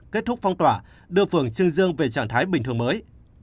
kết thúc phong tỏa đưa phường trương dương về trạng thái bình thường mới